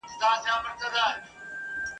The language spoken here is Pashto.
سوله د خلکو ارمان دی.